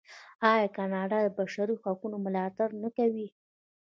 آیا کاناډا د بشري حقونو ملاتړ نه کوي؟